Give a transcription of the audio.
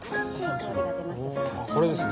これですね。